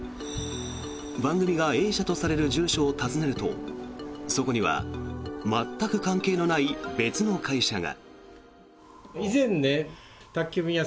番組がＡ社とされる住所を訪ねるとそこには全く関係のない別の会社が。